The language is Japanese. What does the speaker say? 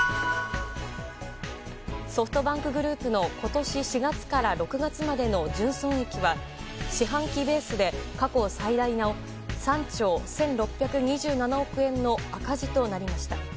ソフトバンクグループの今年４月から６月までの純損益は四半期ベースで過去最大の３兆１６２７億円の赤字となりました。